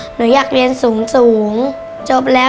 หนูอยากเรียนสูงจบแล้ว